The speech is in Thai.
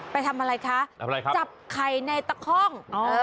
ไปทำอะไรคะจับไข่ในตะค่อง